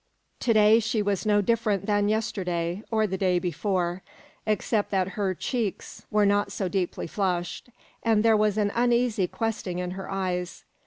To day she was no different than yesterday, or the day before, except that her cheeks were not so deeply flushed, and there was an uneasy questing in her eyes.